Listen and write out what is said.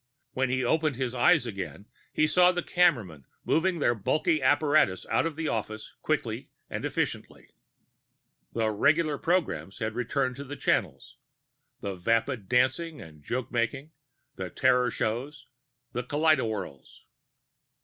When he opened his eyes again he saw the cameramen moving their bulky apparatus out of the office quickly and efficiently. The regular programs had returned to the channels the vapid dancing and joke making, the terror shows, the kaleidowhirls.